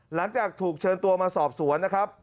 หลังจากถูกเชิญตัวมาสอบสวนนะครับ